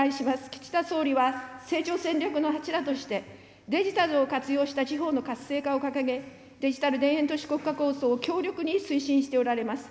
岸田総理は成長戦略の柱として、デジタルを活用した地方の活性化を掲げ、デジタル田園都市国家構想を強力に推進しておられます。